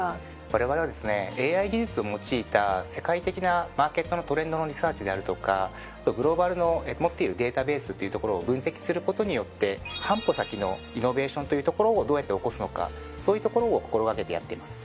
われわれはですねＡＩ技術を用いた世界的なマーケットのトレンドのリサーチであるとかグローバルの持っているデータベースっていうところを分析することによって半歩先のイノベーションというところをどうやって起こすのかそういうところを心掛けてやっています。